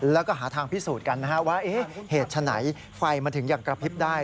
แล้วก็หาทางพิสูจน์กันนะฮะว่าเหตุฉะไหนไฟมันถึงยังกระพริบได้